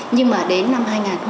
nhưng mà đến năm hai nghìn một mươi tám